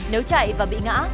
nếu chạy và bị ngã